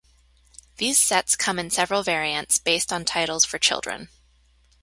These sets come in several variants, based on titles for children.